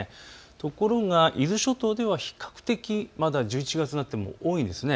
ところが伊豆諸島では比較的まだ１１月になっても多いんです。